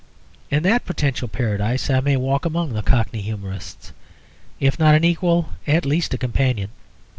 In that potential paradise I may walk among the Cockney humourists, if not an equal, at least a companion.